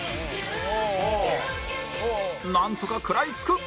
なんとか食らいつく！